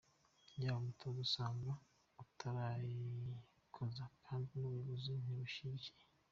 Yaba umutoza usanga ataranyikoza kandi n’ubuyobozi ntibunshyigikire.